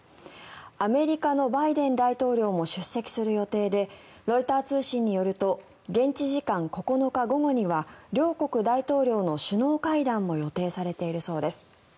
アメリカのバイデン大統領も出席する予定でロイター通信によると現地時間９日午後には両国大統領の首脳会談も予定されているそうです。